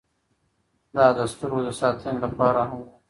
دا د سترګو د ساتنې لپاره هم و.